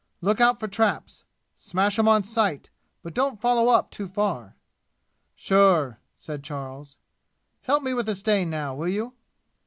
Look out for traps. Smash 'em on sight. But don't follow up too far!" "Sure," said Charles. "Help me with the stain now, will you?"